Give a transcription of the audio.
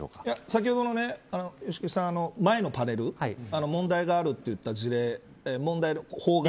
先ほどの前のパネル問題があるといった事例